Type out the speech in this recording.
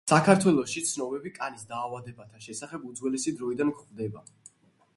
საქართველოში ცნობები კანის დაავადებათა შესახებ უძველესი დროიდან გვხვდება.